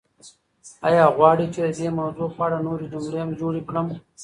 ایا غواړئ چې د دې موضوع په اړه نورې جملې هم جوړې کړم؟